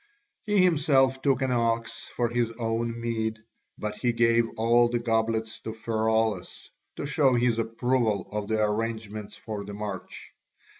He himself took an ox for his own meed, but he gave all the goblets to Pheraulas to show his approval of the arrangements for the march.